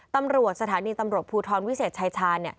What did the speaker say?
ตำรวจสถานีตำรวจภูทรวิเศษชายชาญ